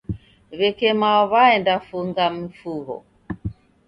W'eke mao w'aenda funga mifugho